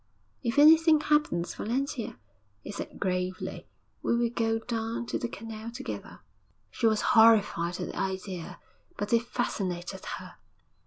'If anything happens, Valentia,' he said gravely, 'we will go down to the canal together.' She was horrified at the idea; but it fascinated her.